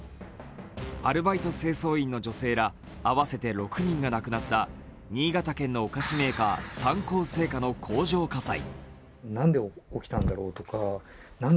アルバイト清掃員の女性ら合わせて６人が亡くなった新潟県のお菓子メーカー・三幸製菓の工場火災。